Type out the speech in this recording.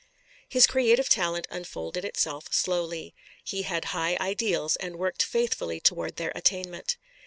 His creative talent unfolded itself slowly. He had high ideals and worked faithfully toward their attainment.